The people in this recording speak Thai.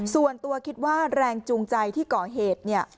ส่วนตัวคิดว่าแรงจูงใจที่ก่อเหตุเนี่ย